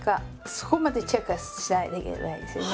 そこまでチェックしないといけないですね。